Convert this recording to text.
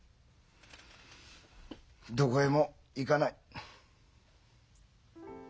どこへも行かない。